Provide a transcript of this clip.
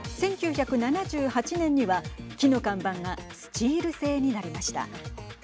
１９７８年には木の看板がスチール製になりました。